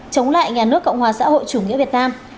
chống lại nhà nước cộng hòa xã hội chủ nghĩa việt nam